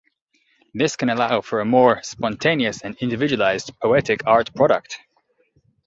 This can allow for a more spontaneous and individualized poetic art product.